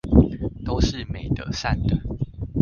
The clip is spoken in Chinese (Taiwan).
都是美的善的